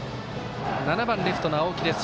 ７番レフトの青木です。